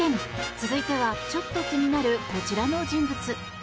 続いてはちょっと気になるこちらの人物。